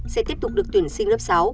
sẽ tiếp tục được tuyển sinh lớp sáu